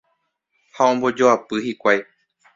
ha ombojoapy hikuái